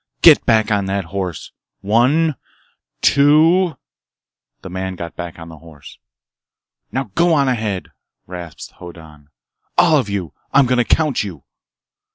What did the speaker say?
Get back on that horse! One—two—" The man got back on the horse. "Now go on ahead," rasped Hoddan. "All of you! I'm going to count you!"